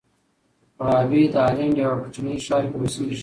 غابي د هالنډ یوه کوچني ښار کې اوسېږي.